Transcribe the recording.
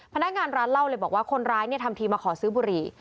พนักงานร้านเล่าเลยบอกว่าคนร้ายเนี่ยทำทีมาขอซื้อบุหรี่